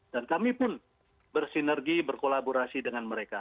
dan kami pun bersinergi berkolaborasi dengan mereka